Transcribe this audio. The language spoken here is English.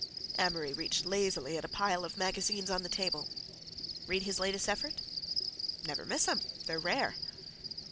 Amory reached lazily at a pile of magazines on the table. "Read his latest effort?" "Never miss 'em. They're rare."